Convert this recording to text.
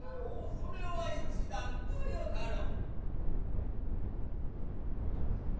それは一段とよかろう。